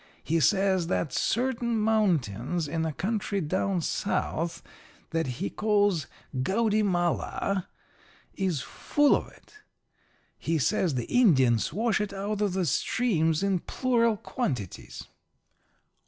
He says that certain mountains in a country down South that he calls Gaudymala is full of it. He says the Indians wash it out of the streams in plural quantities.